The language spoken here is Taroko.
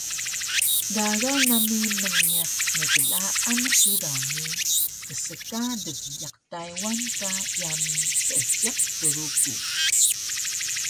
Gaga nami mniq nklaan hidaw ni kska dgiyaq Taywan ka yami Seejiq Truku